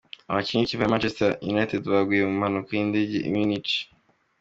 Abakinnyi b’ikipe ya Manchester United baguye mu mpanuka y’indege y’I Munich:.